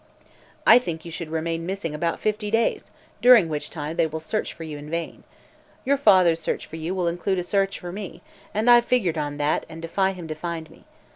"I think you should remain missing about fifty days, during which time they will search for you in vain. Your father's search for you will include a search for me, and I've figured on that and defy him to find me.